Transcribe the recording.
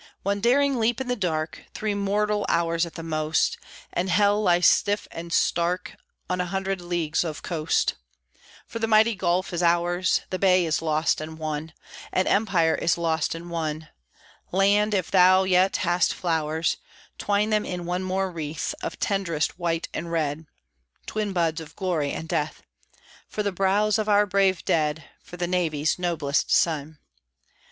One daring leap in the dark, Three mortal hours, at the most, And hell lies stiff and stark On a hundred leagues of coast. For the mighty Gulf is ours, The bay is lost and won, An Empire is lost and won! Land, if thou yet hast flowers, Twine them in one more wreath Of tenderest white and red (Twin buds of glory and death!), For the brows of our brave dead, For thy Navy's noblest son.